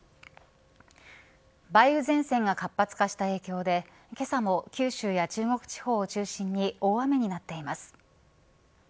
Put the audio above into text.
梅雨前線が活発化した影響でけさも九州や中国地方を中心に大雨になっています。